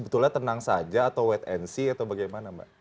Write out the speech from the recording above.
sebetulnya tenang saja atau wait and see atau bagaimana mbak